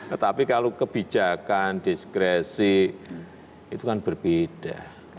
tetapi kalau kebijakan diskresi itu kan berbeda